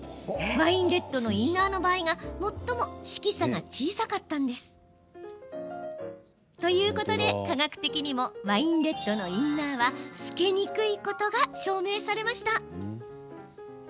ワインレッドのインナーの場合が最も色差が小さかったんです。ということで、科学的にもワインレッドのインナーは透けにくいことが証明されました。